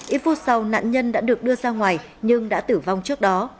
ít phút sau nạn nhân đã được đưa ra ngoài nhưng đã tử vong trước đó